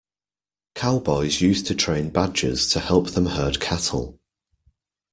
Cowboys used to train badgers to help them herd cattle.